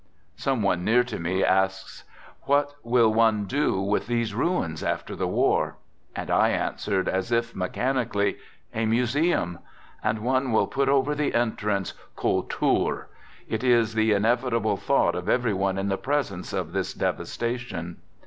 ... Some one near to me asks: "What will one do with these ruins after the war? 99 And I answered, as if mechanically: "A museum. And one will put over the entrance: Kultur! 99 It is the inevit able thought of every one in the presence of this devastation.